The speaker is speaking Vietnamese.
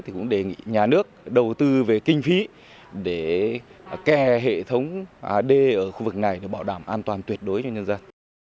thì cũng đề nghị nhà nước đầu tư về kinh phí để kè hệ thống đê ở khu vực này để bảo đảm an toàn tuyệt đối cho nhân dân